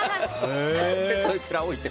そいつらを置いて。